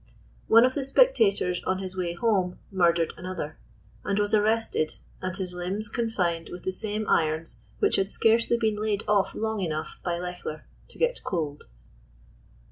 One of the spectators on his way home, murdered another, and was arrested and his limbs con fined with the same irons "which had scarcely been laid off long enough by Lechler to get cold."